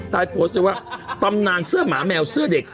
โพสต์ไว้ว่าตำนานเสื้อหมาแมวเสื้อเด็ก